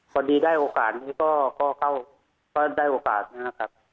พอดีได้โอกาสนี้ก็ได้โอกาสนะครับ